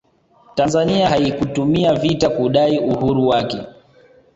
tanzania haikutumia vita kudai uhuru wake